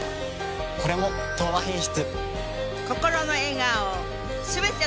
これも「東和品質」。